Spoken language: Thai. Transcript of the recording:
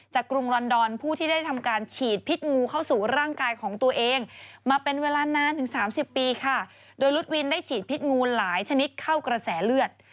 กรุงลอนดอนผู้ที่ได้ทำการฉีดพิษงูเข้าสู่ร่างกายของตัวเองมาเป็นเวลานานถึงสามสิบปีค่ะโดยรุดวินได้ฉีดพิษงูหลายชนิดเข้ากระแสเลือด